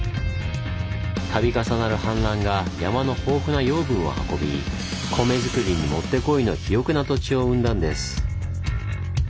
度重なる氾濫が山の豊富な養分を運び米づくりにもってこいの肥沃な土地を生んだんです。